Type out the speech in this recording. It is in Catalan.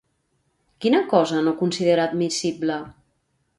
Quina cosa no considera admissible?